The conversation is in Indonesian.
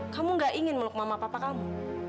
kamu gak ingin meluk mama papa kamu